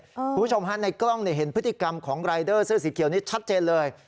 คุณผู้ชมฮะในกล้องเห็นพฤติกรรมของรายเดอร์เสื้อสีเขียวนี้ชัดเจนเลย